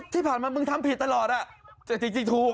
ที่ผ่านมามึงทำผิดตลอดแต่จริงถูก